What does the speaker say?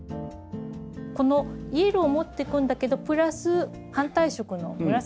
このイエローを持っていくんだけどプラス反対色の紫ですね。